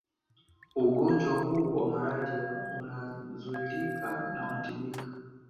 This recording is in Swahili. Ugonjwa hu wa malaria unazuilika na unatibika